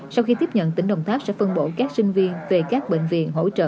sau khi tiếp nhận tỉnh đồng tháp sẽ phân bổ các sinh viên về các bệnh viện hỗ trợ